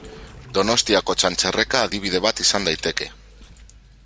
Donostiako Txantxerreka adibide bat izan daiteke.